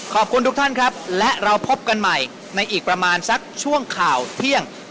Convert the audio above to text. ขอบคุณทุกท่านครับและเราพบกันใหม่ในอีกประมาณสักช่วงข่าวเที่ยง